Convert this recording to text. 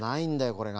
これが。